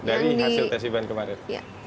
dari hasil tesiban kemarin